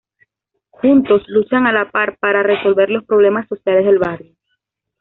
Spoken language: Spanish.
Juntos luchan a la par para resolver los problemas sociales del barrio.